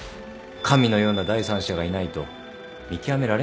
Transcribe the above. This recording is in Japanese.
神のような第三者がいないと見極められないんですよ。